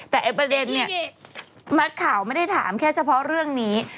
แต่ประเด็นเนี่ยนักข่าวไม่ได้ถามแค่เฉพาะเรื่องนี้